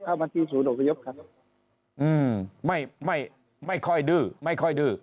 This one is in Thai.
มาที่ศูนย์อพยพครับไม่ไม่ไม่ค่อยดื้อไม่ค่อยดื้อ